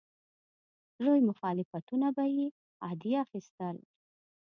لوی مخالفتونه به یې عادي اخیستل.